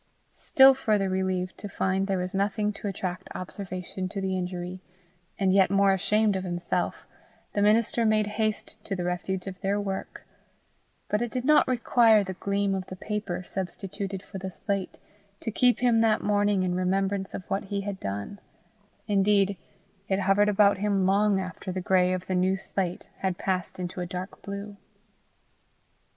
Still further relieved to find there was nothing to attract observation to the injury, and yet more ashamed of himself, the minister made haste to the refuge of their work; but it did not require the gleam of the paper substituted for the slate, to keep him that morning in remembrance of what he had done; indeed it hovered about him long after the gray of the new slate had passed into a dark blue.